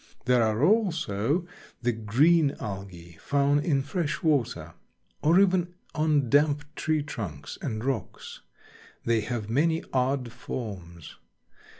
There are also the green Algae, found in fresh water, or even on damp tree trunks and rocks. They have many odd forms.